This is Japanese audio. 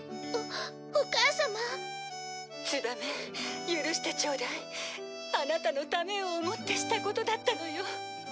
「おお母様」「つばめ許してちょうだい」「アナタのためを思ってしたことだったのよ」